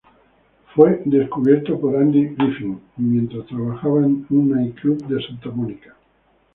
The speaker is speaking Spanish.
Fue descubierto por Andy Griffith mientras trabajaba en un night-club de Santa Monica.